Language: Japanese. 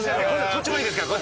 こっちもいいですか？